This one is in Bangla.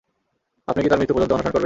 আপনি কি তার মৃত্যু পর্যন্ত অনশন করবেন?